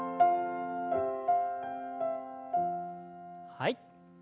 はい。